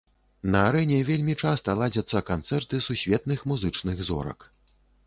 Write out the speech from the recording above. На арэне вельмі часта ладзяцца канцэрты сусветных музычных зорак.